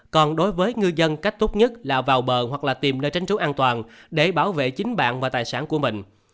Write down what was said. còn đối với ngư dân cách tốt nhất là vào bờ hoặc là tìm nơi tránh trú an toàn để bảo vệ chính bạn và tài sản của mình